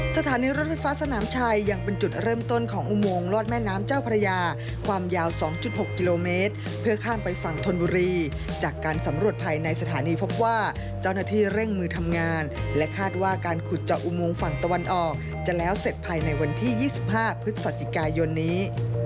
สถานีรถไฟฟ้าสนามชัยยังเป็นจุดเริ่มต้นของอุโมงลอดแม่น้ำเจ้าพระยาความยาว๒๖กิโลเมตรเพื่อข้ามไปฝั่งธนบุรีจากการสำรวจภายในสถานีพบว่าเจ้าหน้าที่เร่งมือทำงานและคาดว่าการขุดเจาะอุโมงฝั่งตะวันออกจะแล้วเสร็จภายในวันที่๒๕พฤศจิกายนนี้